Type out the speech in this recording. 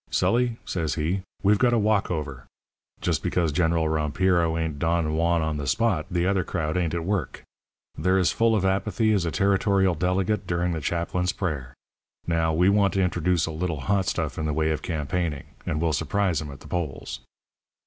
"'Sully,' says he, 'we've got a walkover. Just because General Rompiro ain't Don Juan on the spot the other crowd ain't at work. They're as full of apathy as a territorial delegate during the chaplain's prayer. Now, we want to introduce a little hot stuff in the way of campaigning, and we'll surprise 'em at the polls.'